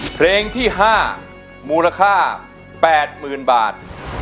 เพลงที่๕มูลค่า๘๐๐๐บาท